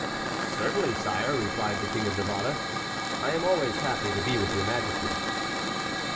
"Certainly, sire," replied the King of Navarre, "I am always happy to be with your Majesty."